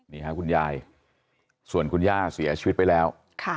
นี่ค่ะคุณยายส่วนคุณย่าเสียชีวิตไปแล้ว